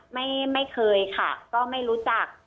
ไม่เคยค่ะก็ไม่รู้จัก